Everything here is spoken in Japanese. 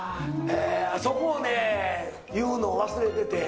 そこをね、言うのを忘れてて。